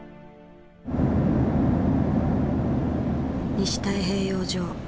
西太平洋上。